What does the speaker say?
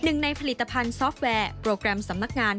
หนึ่งในผลิตภัณฑ์ซอฟต์แวร์โปรแกรมสำนักงาน